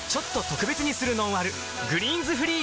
「グリーンズフリー」